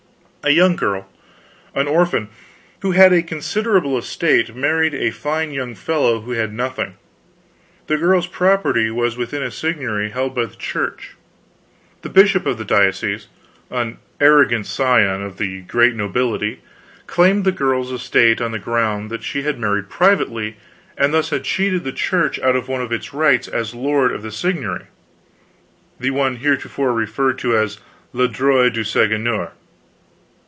A young girl, an orphan, who had a considerable estate, married a fine young fellow who had nothing. The girl's property was within a seigniory held by the Church. The bishop of the diocese, an arrogant scion of the great nobility, claimed the girl's estate on the ground that she had married privately, and thus had cheated the Church out of one of its rights as lord of the seigniory the one heretofore referred to as le droit du seigneur.